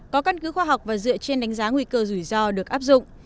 có căn cứ khoa học và dựa trên đánh giá nguy cơ rủi ro được áp dụng